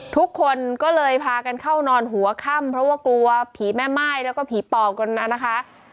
ทุกคนก็เลยพากันเข้านอนหัวค่ำเพราะว่ากลัวผีแม่ม่ายแล้วก็ผีปอบกันนะคะ